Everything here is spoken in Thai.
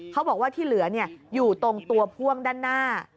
เขาบอกว่าที่เหลืออยู่ตรงตัวพ่วงด้านหน้า